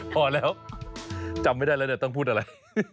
พอแล้วจำไม่ได้ต้องพูดอะไร